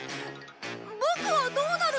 ボクはどうなるの？